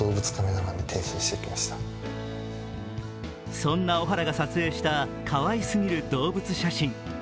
そんな小原が撮影したかわいすぎる動物写真。